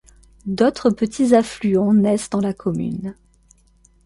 D'autres petits affluents naissent dans la commune.